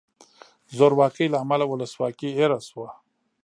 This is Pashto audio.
زورواکۍ له امله ولسواکي هیره شوه.